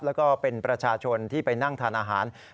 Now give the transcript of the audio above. แล้วก็เป็นประชาชนที่ไปนั่งทานอาหาร